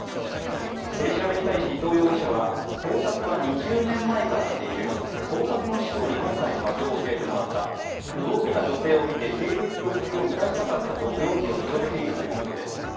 取り調べに対し、伊藤容疑者は盗撮は２０年前からしている、盗撮の師匠に今回の場所を教えてもらった、無防備な女性を見て性的欲求を満たしたかったと容疑を認めているということです。